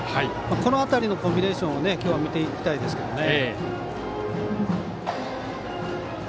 この辺りのコンビネーション見ていきたいですけどね。